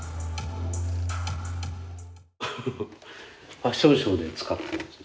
ファッションショーで使ったやつです。